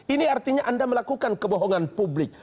ini artinya anda melakukan kebohongan publik